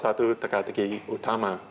satu teka teki utama